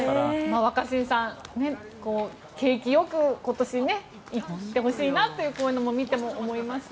若新さん景気よく今年、行ってほしいなとこういうのを見ても思いますね。